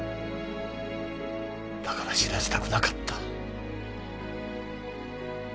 だから知らせたくなかった。